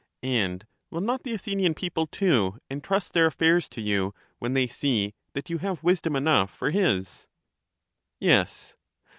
And will not the Athenian people, too, entrust their affairs to you when they see that you have wis dom enough for his? Yes.